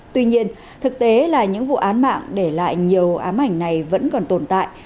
tuy nhiên thực tế là những vụ án mạng để lại nhiều ám ảnh này vẫn còn tồn tại